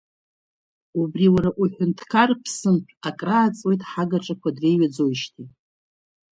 Убри уара уҳәынҭқар ԥсымҭә акрааҵуеит ҳагаҿақәа дреиҩаӡоижьҭеи.